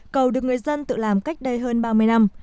cầu được người dân tự làm cách đây hơn ba mươi năm